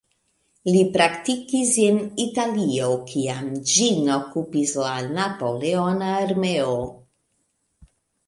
Li praktikis en Italio, kiam ĝin okupis la napoleona armeo.